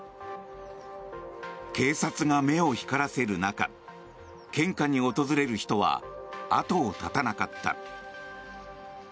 警察が目を光らせる中献花に訪れる人は後を絶たなかった。